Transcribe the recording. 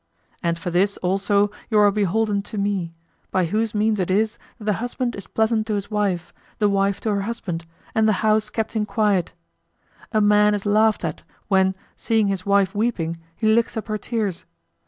And for this also you are beholden to me, by whose means it is that the husband is pleasant to his wife, the wife to her husband, and the house kept in quiet. A man is laughed at, when seeing his wife weeping he licks up her tears.